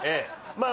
まあ